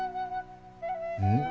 うん？